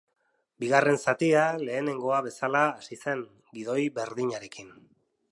Bigarren zatia lehenengoa bezala hasi zen, gidoi berdinarekin.